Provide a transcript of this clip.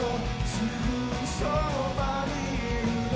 「すぐそばにいるの」